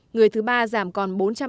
người thứ ba giảm còn bốn trăm linh đồng